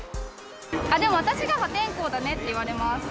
でも私が破天荒だねって言われます。